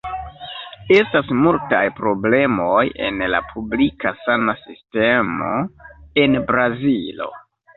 Estas multaj problemoj en la publika sana sistemo en Brazilo.